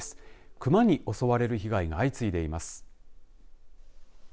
クマに襲われる被害が相次いでいます。